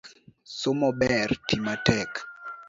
Somo ber, tii matek